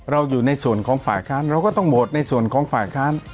อยู่ในส่วนของฝ่ายค้านเราก็ต้องโหวตในส่วนของฝ่ายค้าน